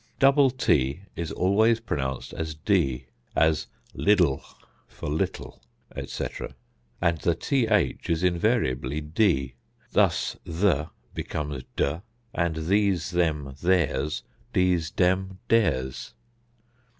Double t is always pronounced as d; as liddle for little, &c., and the th is invariably d; thus the becomes de; and these, them, theirs dese, dem, deres.